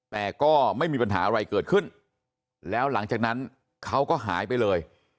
แต่ก็ไม่มีปัญหาอะไรเกิดขึ้นแล้วหลังจากนั้นเขาก็หายไปเลย